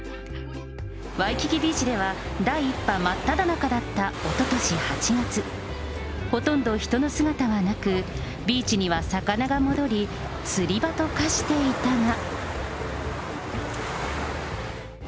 ワイキキビーチでは、第１波真っただ中だったおととし８月、ほとんど人の姿はなく、ビーチには魚が戻り、釣り場と化していたが。